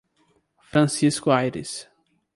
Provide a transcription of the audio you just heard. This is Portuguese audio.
Francisco Ayres